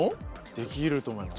できると思います。